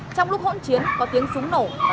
trong lúc hỗn chiến có tiếng súng nổ và